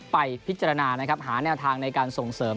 ไปพิจารณานะครับหาแนวทางในการส่งเสริม